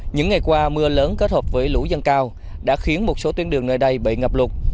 những ngày qua mưa lớn kết hợp với lũ dân cao đã khiến một số tuyến đường nơi đây bị ngập lụt